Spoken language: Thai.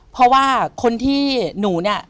เพราะว่าคนที่หนูเนี่ย